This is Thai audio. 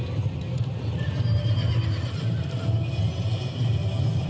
สวัสดีครับทุกคน